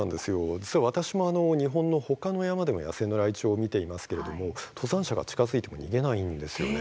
実は私も日本の他の山でも野生のライチョウを見ていますが登山者が近づいても逃げないんです。